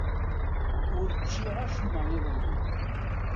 Ur ččiɣ acemma iḍelli.